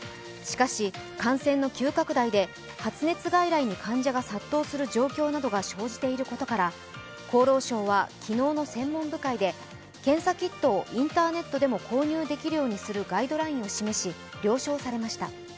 しかし、感染の急拡大で発熱外来に患者が殺到する状況などが生じていることから厚労省は昨日の専門部会で検査キットをインターネットでも購入できるようにするガイドラインを示し了承されました。